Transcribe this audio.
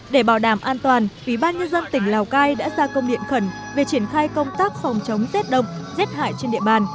để bảo đảm an toàn ủy ban nhân dân tỉnh lào cai đã ra công điện khẩn về triển khai công tác phòng chống rét đậm rét hại trên địa bàn